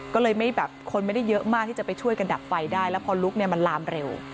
ก็เลยไม่แบบคนไม่ได้เยอะมากที่จะไปช่วยกันดับไฟได้แล้วพอลุกเนี่ยมันลามเร็ว